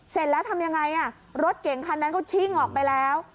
เสร็จแล้วทำยังไงรถเก่งคันนั้นเขาชิ่งออกไปแล้ว